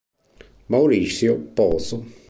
Mauricio Pozo